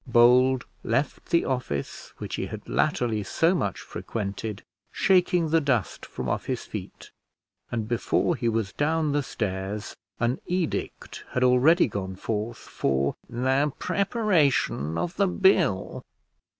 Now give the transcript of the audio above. Bold left the office which he had latterly so much frequented, shaking the dust from off his feet; and before he was down the stairs, an edict had already gone forth for the preparation of the bill.